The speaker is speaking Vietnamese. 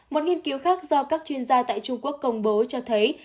một nghiên cứu khác do các chuyên gia tại trung quốc công bố cho thấy